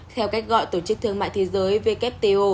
theo cách gọi tổ chức thương mại thế giới wto